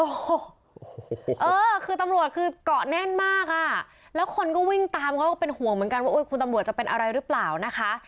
โอ้โหเออคือตำรวจคือเกาะแน่นมากอ่ะแล้วคนก็วิ่งตามเขาก็เป็นห่วงเหมือนกันว่าคุณตำรวจจะเป็นอะไรหรือเปล่านะคะ